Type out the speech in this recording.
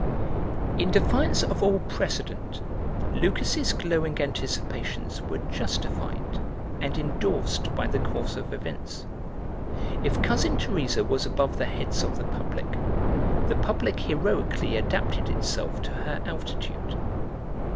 In defiance of all precedent Lucas's glowing anticipations were justified and endorsed by the course of events. If Cousin Teresa was above the heads of the public, the public heroically adapted itself to her altitude.